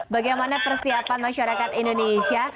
bagaimana persiapan masyarakat indonesia